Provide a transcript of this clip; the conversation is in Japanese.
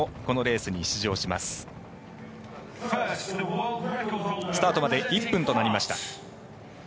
スタートまで１分となりました。